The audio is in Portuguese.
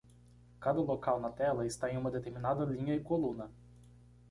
Cada local na tela está em uma determinada linha e coluna.